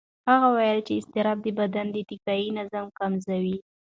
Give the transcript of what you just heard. هغه وویل چې اضطراب د بدن دفاعي نظام کمزوي.